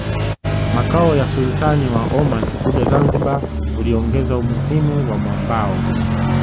makao ya Sultani wa Oman kuja Zanzibar kuliongeza umuhimu wa mwambao